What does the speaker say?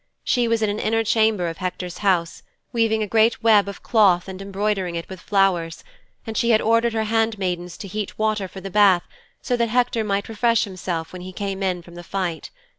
She was in an inner chamber of Hector's house, weaving a great web of cloth and broidering it with flowers, and she had ordered her handmaidens to heat water for the bath, so that Hector might refresh himself when he came in from the fight.